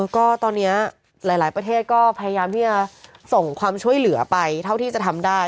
ก็ตอนนี้หลายประเทศก็พยายามที่จะส่งความช่วยเหลือไปเท่าที่จะทำได้